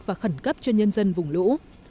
và khẩn cấp cho nhân dân vùng lũ